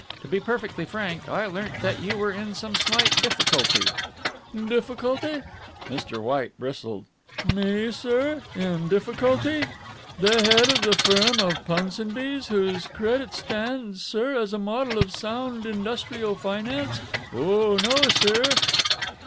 "To be perfectly frank, I learnt that you were in some slight difficulty." "Difficulty?" Mr. White bristled. "Me, sir, in difficulty? The head of the firm of Punsonby's, whose credit stands, sir, as a model of sound industrial finance? Oh no, sir."